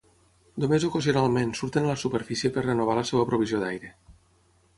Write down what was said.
Només ocasionalment surten a la superfície per renovar la seva provisió d'aire.